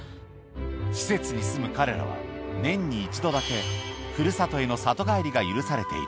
施設に住む彼らは、年に１度だけ、ふるさとへの里帰りが許されている。